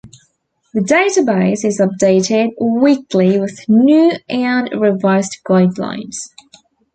The database is updated weekly with new and revised guidelines.